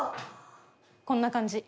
こんな感じ。